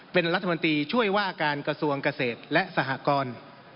เป็นรัฐมนตรีช่วยว่าการกระทรวงเกษตรและสหกร